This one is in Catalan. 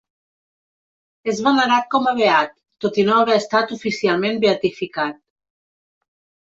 És venerat com a beat, tot i no haver estat oficialment beatificat.